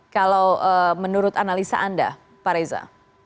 kalau menurut analisa anda pak reza